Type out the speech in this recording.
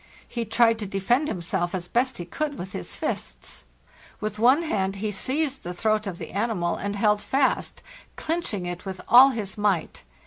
He tried to defend himself as best he could with his fists. With one hand he seized the throat of the animal, and held fast, clinching it with all his might.